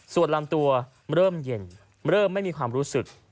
ส่วนลำตัวเริ่มเย็นเริ่มไม่มีความรู้สึก